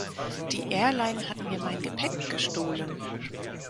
Die Airline hat mir mein Gepäck gestohlen!